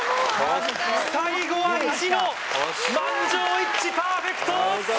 最後は意地の満場一致パーフェクト！